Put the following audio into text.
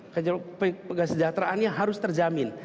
kesejahteraannya harus terjamin